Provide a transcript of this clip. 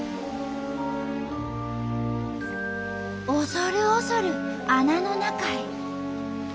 恐る恐る穴の中へ。